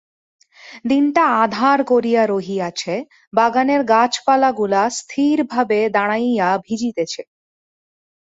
দিনটা আঁধার করিয়া রহিয়াছে, বাগানের গাছপালাগুলা স্থির ভাবে দাঁড়াইয়া ভিজিতেছে।